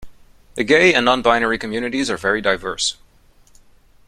The gay and non-binary communities are very diverse.